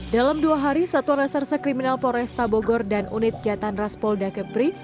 dalam dua hari satu reserse kriminal poresta bogor dan unit jatan raspol dakebri